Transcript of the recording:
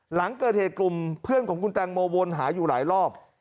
หลังเกิดเหตุกลุ่มเพื่อนของคุณแตงโมวนหาอยู่หลายรอบ